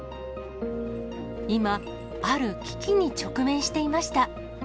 今、ある危機に直面していました。